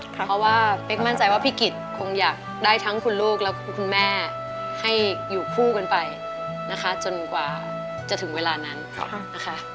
เพราะว่าเป๊กมั่นใจว่าพี่กิจคงอยากได้ทั้งคุณลูกและคุณแม่ให้อยู่คู่กันไปนะคะจนกว่าจะถึงเวลานั้นนะคะ